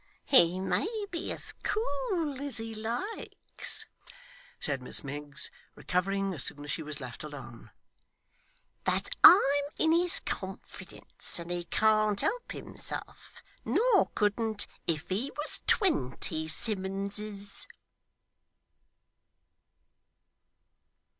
'He may be as cool as he likes,' said Miss Miggs, recovering as soon as she was left alone; 'but I'm in his confidence and he can't help himself, nor couldn't if he was twenty Simmunses!